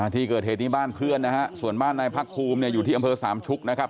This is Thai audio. ที่เกิดเหตุนี้บ้านเพื่อนนะฮะส่วนบ้านนายพักภูมิเนี่ยอยู่ที่อำเภอสามชุกนะครับ